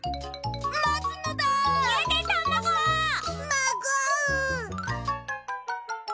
まご！